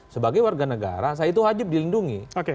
sebagai warga negara saya itu wajib dilindungi